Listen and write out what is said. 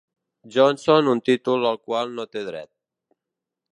Johnson un títol al qual no té dret.